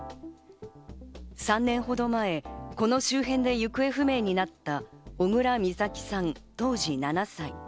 ３年ほど前、この周辺で行方不明になった小倉美咲さん、当時７歳。